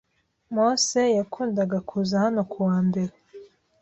Mose yakundaga kuza hano kuwa mbere.